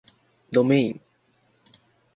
どめいん